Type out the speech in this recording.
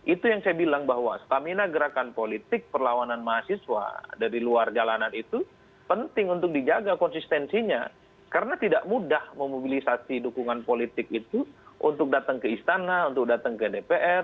itu yang saya bilang bahwa stamina gerakan politik perlawanan mahasiswa dari luar jalanan itu penting untuk dijaga konsistensinya karena tidak mudah memobilisasi dukungan politik itu untuk datang ke istana untuk datang ke dpr